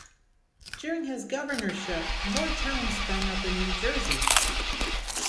During his governorship, more towns sprung up in New Jersey.